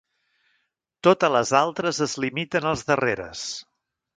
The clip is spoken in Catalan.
Totes les altres es limiten als darreres.